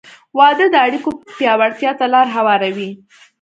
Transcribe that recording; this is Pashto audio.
• واده د اړیکو پیاوړتیا ته لار هواروي.